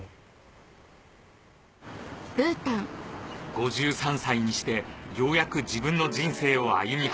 ５３歳にしてようやく自分の人生を歩み始めた美紀さん